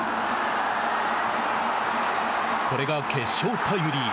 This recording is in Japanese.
これが決勝タイムリー。